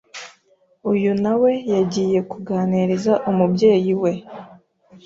Uyu na we yagiye kuganiriza umubyeyi we